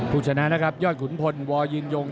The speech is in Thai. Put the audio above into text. ผู้ชนะนะครับยอดขุนพลวอยืนยง